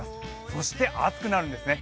そして暑くなるんですね。